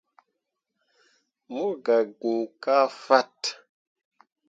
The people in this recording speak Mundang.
Mo gah gn kah fat.